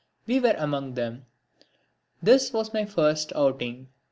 We were among them. This was my first outing.